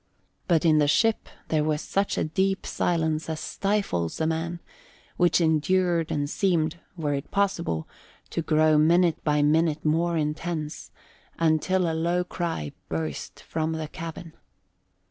But in the ship there was such a deep silence as stifles a man, which endured and seemed were it possible to grow minute by minute more intense until a low cry burst from the cabin.